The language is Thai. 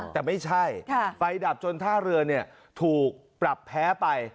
แต่ไม่ใช่ไฟดับจนท่าเรือถูกปรับแพ้ไป